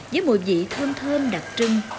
với mùi vị thơm thơm đặc trưng